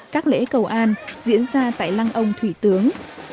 các lễ cầu an diễn ra tại lăng ông thủy tướng